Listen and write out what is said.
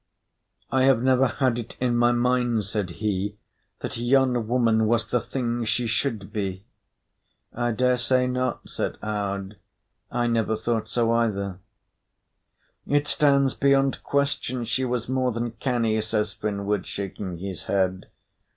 "I have never had it in my mind," said he, "that yon woman was the thing she should be." "I dare say not," said Aud. "I never thought so either." "It stands beyond question she was more than canny," says Finnward, shaking his head.